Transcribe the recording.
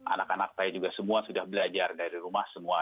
anak anak saya juga semua sudah belajar dari rumah semua